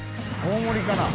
大盛りかな。